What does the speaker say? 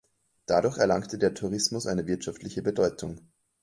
Dadurch erlangte der Tourismus eine wirtschaftliche Bedeutung.